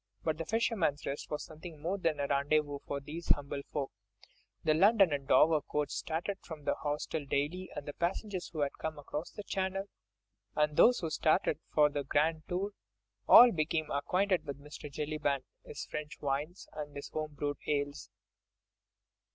But "The Fisherman's Rest" was something more than a rendezvous for these humble folk. The London and Dover coach started from the hostel daily, and passengers who had come across the Channel, and those who started for the "grand tour," all became acquainted with Mr. Jellyband, his French wines and his home brewed ales.